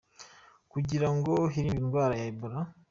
Kugira ngo hirindwe indwara ya Ebola.